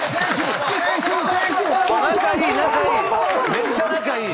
めっちゃ仲いい。